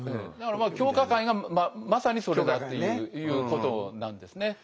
だからまあ狂歌会がまさにそれだっていうことなんですね。